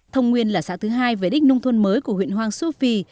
thông nguyên là xã thứ hai về đích nông thôn mới của huyện hoang su phi